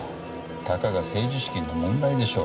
たかが政治資金の問題でしょう。